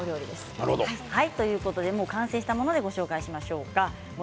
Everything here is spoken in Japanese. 完成したものでご紹介します。